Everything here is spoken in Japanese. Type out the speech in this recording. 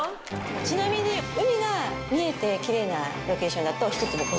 ちなみに海が見えてキレイなロケーションだと。